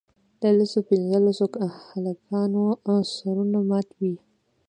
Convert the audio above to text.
د لسو پینځلسو هلکانو سرونه مات وي.